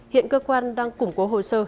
hiện cơ quan đang củng cố hồ sơ